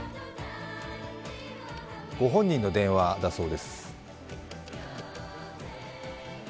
ご本人の電話だそうです。